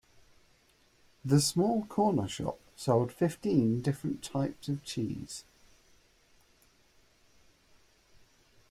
The small corner shop sold fifteen different types of cheese